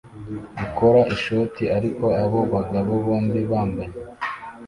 gukora ishoti ariko abo bagabo bombi bambaye